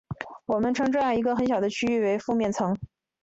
我们称这样一个很小的区域为附面层。